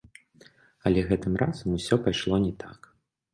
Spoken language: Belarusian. Але гэтым разам усё пайшло не так.